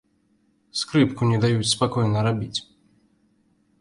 Скрыпку не даюць спакойна рабіць.